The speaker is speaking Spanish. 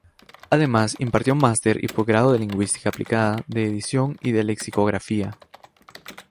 Además impartió másters y posgrados de Lingüística Aplicada, de Edición y de Lexicografía.